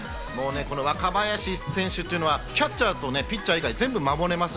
若林選手はピッチャーとキャッチャー以外、全部守れます。